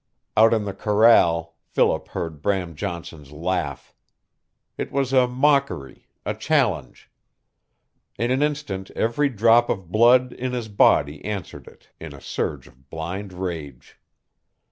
Out in the corral Philip heard Bram Johnson's laugh. It was a mockery a challenge. In an instant every drop of blood in his body answered it in a surge of blind rage.